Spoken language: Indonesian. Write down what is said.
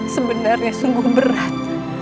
sebenarnya sungguh berat